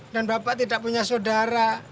dan bapak tidak punya saudara